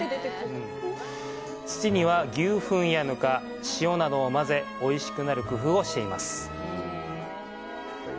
土には、牛ふんや、ぬか、塩などを混ぜ、おいしくなる工夫をしています。